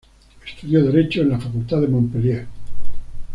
Estudió derecho en la Facultad de Montpellier.